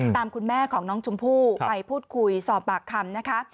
คุณแม่ของน้องชมพู่ไปพูดคุยสอบปากคำนะคะ